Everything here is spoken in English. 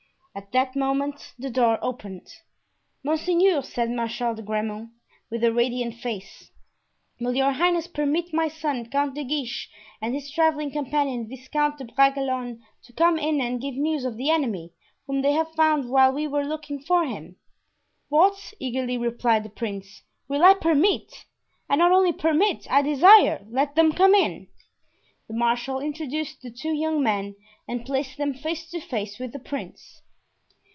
At that moment the door opened. "Monseigneur," said Marshal de Grammont, with a radiant face, "will your highness permit my son, Count de Guiche, and his traveling companion, Viscount de Bragelonne, to come in and give news of the enemy, whom they have found while we were looking for him?" "What!" eagerly replied the prince, "will I permit? I not only permit, I desire; let them come in." The marshal introduced the two young men and placed them face to face with the prince.